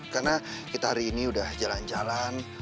karena kita hari ini udah jalan jalan